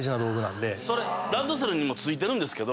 ランドセルにも付いてるんですけど。